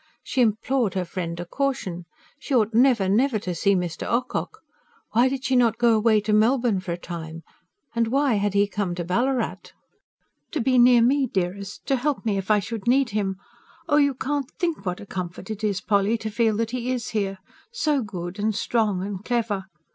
She implored her friend to caution. She ought never, never to see Mr. Ocock. Why did she not go away to Melbourne for a time? And why had he come to Ballarat? "To be near me, dearest, to help me if I should need him. Oh, you can't think what a comfort it is, Polly, to feel that he IS here so good, and strong, and clever!